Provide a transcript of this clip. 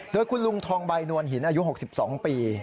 โดยคุณลุงทองใบนวลหินอายุ๖๒ปี